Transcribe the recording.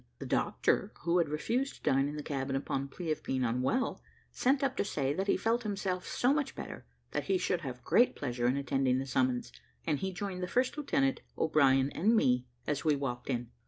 The doctor, who had refused to dine in the cabin upon plea of being unwell, sent up to say, that he felt himself so much better, that he should have great pleasure in attending the summons, and he joined the first lieutenant, O'Brien, and me, as we walked in.